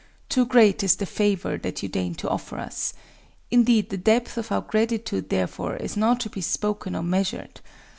Too great is the favor that you deign to offer us;—indeed, the depth of our gratitude therefor is not to be spoken or measured.